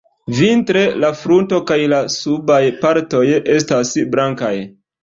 Vintre, la frunto kaj la subaj partoj estas blankaj.